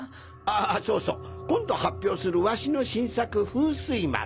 あそうそう今度発表するワシの新作「風水丸」！